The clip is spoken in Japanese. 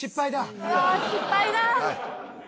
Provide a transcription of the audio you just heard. うわ失敗だ！